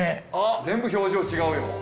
全部表情違うよ。